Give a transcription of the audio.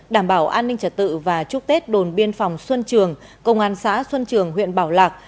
đảm bảo an ninh trật tự và chúc tết đồn biên phòng xuân trường công an xã xuân trường huyện bảo lạc